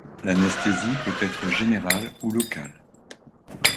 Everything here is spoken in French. L'anesthésie peut être générale ou locale.